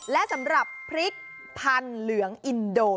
และสำหรับพริกพันธุ์เหลืองอินโด